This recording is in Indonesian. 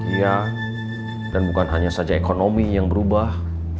iya dan bukan hanya saja ekonomi yang berubah